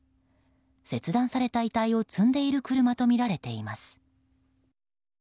切断された遺体を積んでいる車とみられています。